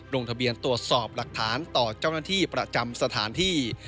ลงทะเบียนตรวจสอบหลักฐานต่อเจ้าหน้าที่ประจำสถานที่